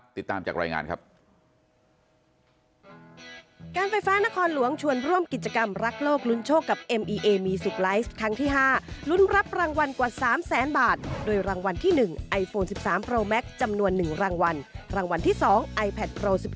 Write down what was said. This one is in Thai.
ติดตามจากรายงานครับ